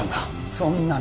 そんなの